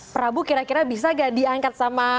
prabu kira kira bisa gak diangkat sama fajar